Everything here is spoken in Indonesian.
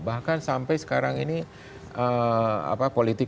bahkan sampai sekarang ini